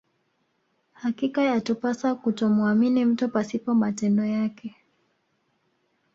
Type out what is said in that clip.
Hakika yatupasa kutomuamini mtu pasipo matendo yake